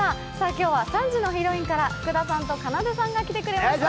今日は３時のヒロインから福田さんとかなでさんが来てくれました。